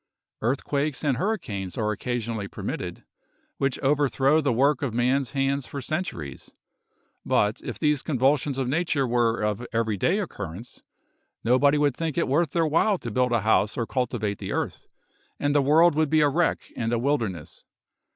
Earthquakes and hurricanes are occasionally permitted, which overthrow the work of man's hands for centuries; but if these convulsions of nature were of every day occurrence, nobody would think it worth their while to build a house or cultivate the earth, and the world would be a wreck and a wilderness.